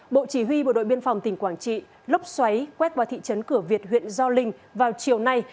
bộ chỉ huy bộ đội biên phòng tỉnh quảng trị lốc xoáy quét qua thị trấn cửa việt huyện gio linh vào chiều nay